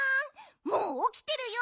もうおきてるよ